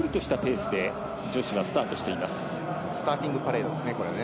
スターティングパレードですね。